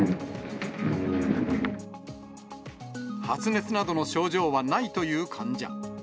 発熱などの症状はないという患者。